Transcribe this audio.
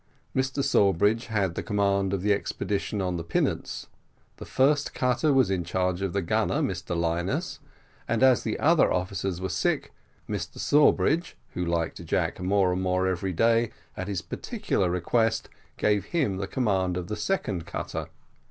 Mr Sawbridge had the command of the expedition in the pinnace; the first cutter was in charge of the gunner, Mr Minus; and, as the other officers were sick, Mr Sawbridge, who liked Jack more and more every day, at his particular request gave him the command of the second cutter.